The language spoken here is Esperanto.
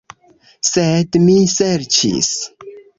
Sed mi ŝercis.